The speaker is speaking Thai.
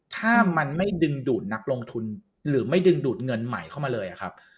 ถ้ามันไม่ดึงดูดนักลงทุนหรือไม่ดึงดูดเงินใหม่เข้ามาเลยครับ